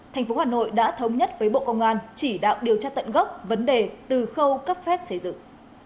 thành phố hà nội đã thống nhất với bộ công an chỉ đạo điều tra tận gốc vấn đề từ khâu cấp phép xây dựng